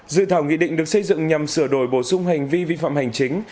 dự thảo nghị định được xây dựng nhằm sửa đổi bổ sung hành vi vi phạm hành chính